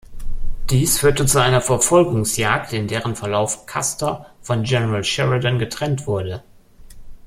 Dies führte zu einer Verfolgungsjagd, in deren Verlauf Custer von General Sheridan getrennt wurde.